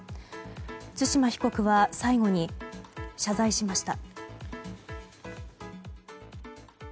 対馬被告は最後に謝罪しました。